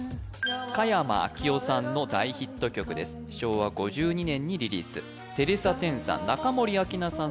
佳山明生さんの大ヒット曲です昭和５２年にリリーステレサ・テンさん